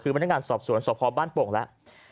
คือบรรยาการสอบสวนสอบพร้อมบ้านปกแล้ว